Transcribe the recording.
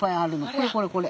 これこれこれ。